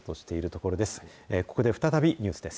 ここで再びニュースです。